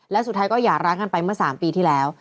และสุดท้ายก็หย่าร้างกันไปเมื่อ๓ปีที่แล้ว